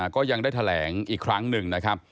ก็ยังได้แถลงอีกครั้งหนึ่งนะครับ